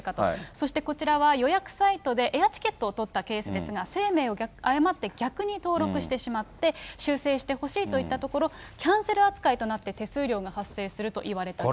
そしてこちらは予約サイトでエアチケットを取ったケースですが、姓名を誤って逆に登録してしまって、修正してほしいと言ったところ、キャンセル扱いとなって手数料が発生すると言われたケース。